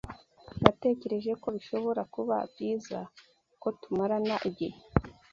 Natekereje ko bishobora kuba byiza ko tumarana igihe.